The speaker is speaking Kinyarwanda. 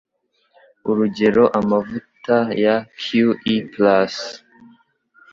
Urugero amavuta ya QE+